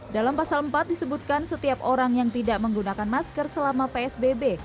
dalam pasal empat disebutkan setiap orang yang tidak menggunakan masker selama psbb